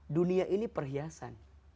dunia ini perhiasan